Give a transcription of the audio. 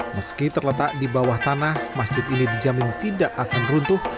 meski terletak di bawah tanah masjid ini dijamin tidak akan runtuh